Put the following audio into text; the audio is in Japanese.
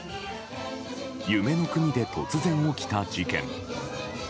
夢の国で突然起きた事件。